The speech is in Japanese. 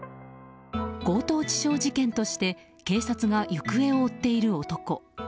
強盗致傷事件として警察が行方を追っている男。